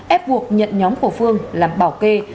ép buộc nhận nhóm của phương làm bảo kê